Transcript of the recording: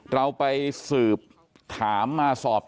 เราไปสอบถามมาจนทราบว่า